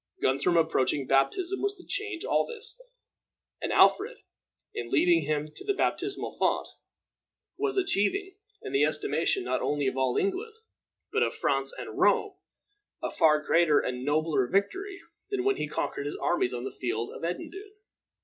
Guthrum's approaching baptism was to change all this; and Alfred, in leading him to the baptismal font, was achieving, in the estimation not only of all England, but of France and of Rome, a far greater and nobler victory than when he conquered his armies on the field of Edendune.